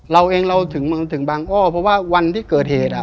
เราเองเราถึงเมืองถึงบางอ้อเพราะว่าวันที่เกิดเหตุอ่ะ